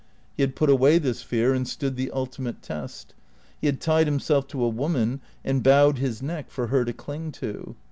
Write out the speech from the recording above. He had put away this fear, and stood the ultimate test. He had tied himself to a woman and bowed his neck for her to cling to.